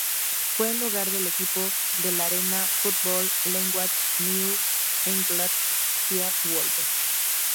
Fue el hogar del equipo de la Arena Football League New England Sea Wolves.